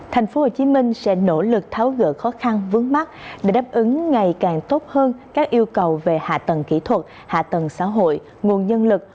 tp hcm sẽ nỗ lực tháo gỡ khó khăn vướng mắt để đáp ứng ngày càng tốt hơn các yêu cầu về hạ tầng kỹ thuật hạ tầng xã hội nguồn nhân lực